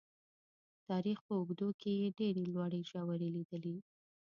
تاریخ په اوږدو کې یې ډېرې لوړې ژورې لیدلي.